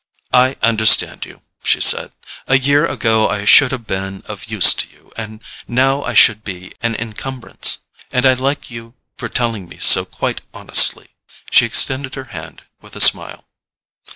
"I understand you," she said. "A year ago I should have been of use to you, and now I should be an encumbrance; and I like you for telling me so quite honestly." She extended her hand with a smile.